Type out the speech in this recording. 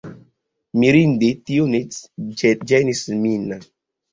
Mirinde tio ne ĝenis min.